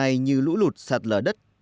thiên tai như lũ lụt sạt lở đất